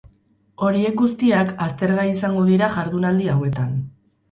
Horiek guztiak aztergai izango dira jardunaldi hauetan.